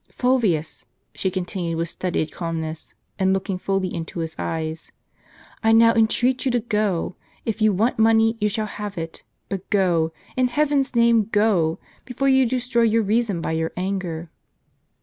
"Fulvius," she continued, with studied calmness, and looking fully into his eyes, " I now entreat you to go. If you want money, you shall have it ; but go, in heaven's name go, before you destroy your reason by your anger."